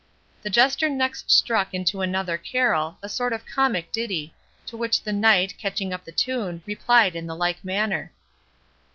The Jester next struck into another carol, a sort of comic ditty, to which the Knight, catching up the tune, replied in the like manner.